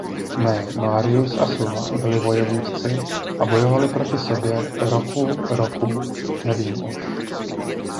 Ne, Marius a Sulla byli vojevůdci a bojovali proti sobě roku–roku–Nevím už.